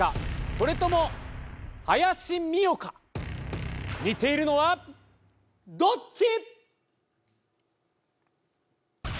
それともはやしみおか似ているのはどっち！